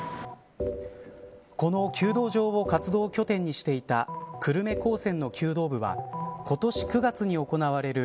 この弓道場を活動拠点にしていた久留米高専の弓道部は今年９月に行われる